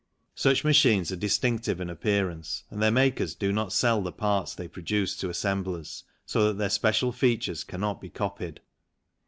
Such machines are distinctive in appearance and their makers do not sell the parts they produce to assemblers, so that their special features cannot be copied.